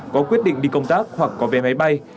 có quyết định đi công tác hoặc có vé máy bay